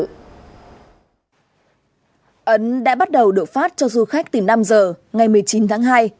ấn đã bắt đầu đột phát cho du khách tỉnh nam giờ ngày một mươi chín tháng hai